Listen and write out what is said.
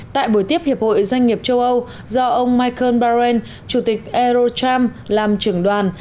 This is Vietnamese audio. tại buổi tiếp hiệp hội doanh nghiệp châu âu do ông michael barron chủ tịch eurocharm làm trưởng đoàn